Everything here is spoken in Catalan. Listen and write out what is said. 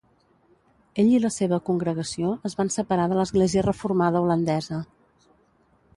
Ell i la seva congregació es van separar de l'Església Reformada Holandesa.